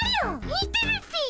見てるっピ。